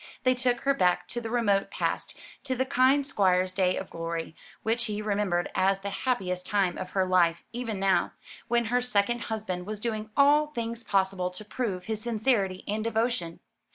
They took her back to the remote past, to the kind Squire's day of glory, which she remembered as the happiest time of her life; even now, when her second husband was doing all things possible to prove his sincerity and devotion.